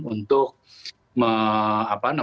untuk memiliki kewenangan